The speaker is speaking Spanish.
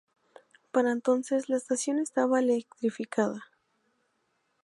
Para entonces, la estación estaba electrificada.